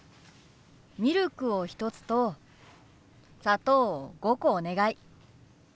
ミルクを１つと砂糖を５個お願い。